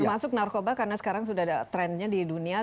termasuk narkoba karena sekarang sudah ada trendnya di dunia